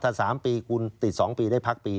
ถ้า๓ปีคุณติด๒ปีได้พักปี